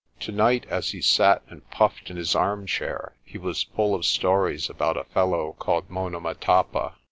Tonight as he sat and puffed in his armchair, he was full of stories about a fellow called Monomotapa.